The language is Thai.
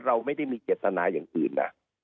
เราไม่ได้มีเจตนาอย่างอื่นนะ